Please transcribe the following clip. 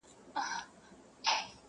• د لمر رڼا هم کمزورې ښکاري په هغه ځای..